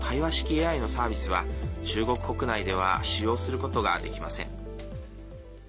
ＡＩのサービスは中国国内では使用することができません。